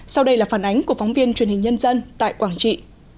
sau đây là phản ánh của phóng viên truyền hình nhân dân tại quảng trị